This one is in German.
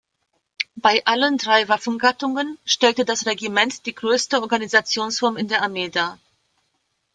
Bei allen drei Waffengattungen stellte das Regiment die größte Organisationsform in der Armee dar.